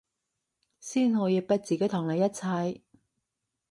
先可以逼自己同你一齊